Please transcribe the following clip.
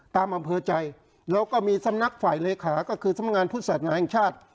อำเภอใจแล้วก็มีสำนักฝ่ายเลขาก็คือสำนักงานพุทธศาสนาแห่งชาติ